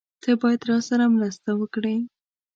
تۀ باید راسره مرسته وکړې!